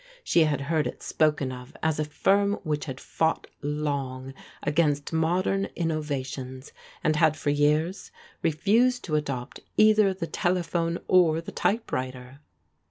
She had heard it spoken of as a firm which had fought long against modem innovations, and had for years refused to adopt either the telephone or the typewriter.